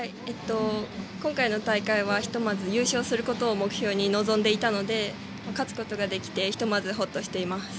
今回の大会はひとまず優勝することを目標に臨んでいたので勝つことができて、ひとまずほっとしています。